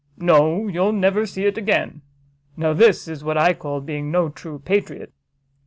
No, you'll never see it again: now this is what I call being no true patriot."